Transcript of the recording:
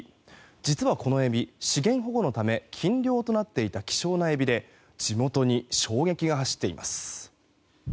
実はこのエビ、資源保護のため禁漁となっていた希少なエビで地元に衝撃が走っています。